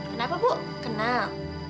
kenapa bu kenal